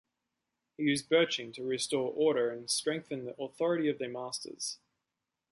He used birching to restore order and strengthen the authority of the masters.